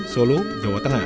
solo jawa tenggara